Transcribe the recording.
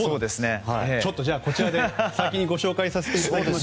こちらで先に紹介させていただきます。